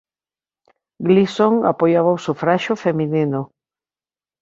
Gleason apoiaba o sufraxio feminino.